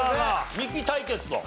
ミキ対決と。